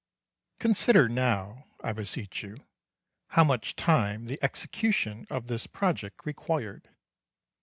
Consider now, I beseech you, how much time the execution of this project required.